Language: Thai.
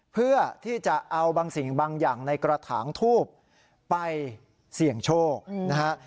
เพื่อที่จะเอาบางสิ่งบางอย่างในกระถางทูบไปเสี่ยงโชคนะฮะ